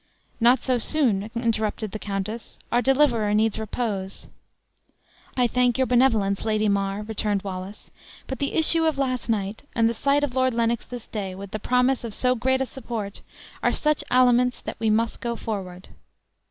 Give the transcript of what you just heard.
"Not so soon," interrupted the countess; "our deliverer needs repose." "I thank your benevolence, Lady Mar," returned Wallace; "but the issue of last night, and the sight of Lord Lennox this day, with the promise of so great a support, are such aliments that we must go forward."